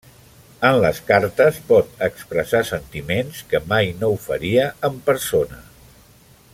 En les cartes pot expressar sentiments que mai no ho faria en persona.